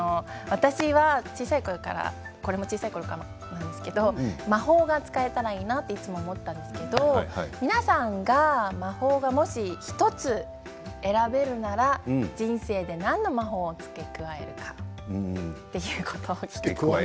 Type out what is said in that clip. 私は小さいころからこれも小さいころからなんですけど魔法が使えたらいいなといつも思ったんですけど皆さんが魔法がもし１つ選べるなら人生で何の魔法を付け加えるかということ聞きたい。